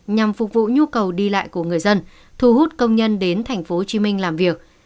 nhằm phục vụ nhu cầu đi lại của người dân thu hút công nhân đến tp hcm làm việc